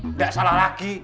nggak salah lagi